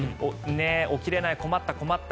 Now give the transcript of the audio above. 起きれない、困った困った。